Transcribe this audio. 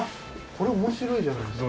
これ面白いじゃないですか。